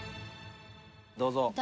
どうぞ。